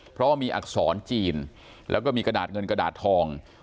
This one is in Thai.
เพราะว่ามีอักษรจีนแล้วก็มีกระดาษเงินกระดาษทอง